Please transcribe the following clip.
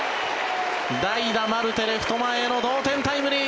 代打、マルテレフト前への同点タイムリー。